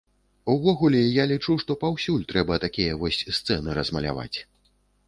Увогуле, я лічу, што паўсюль трэба такія вось сцены размаляваць.